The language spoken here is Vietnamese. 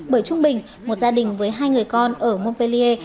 bởi trung bình một gia đình với hai người con ở monpellier